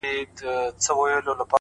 وخت د ارمانونو ریښتینولي ازموي.